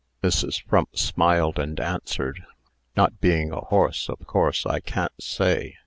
Mrs. Frump smiled, and answered: "Not being a horse, of course I can't say.